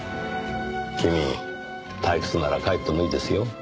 君退屈なら帰ってもいいですよ。